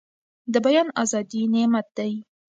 د بيان ازادي نعمت دی.